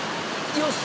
よし！